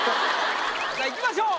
さあいきましょう。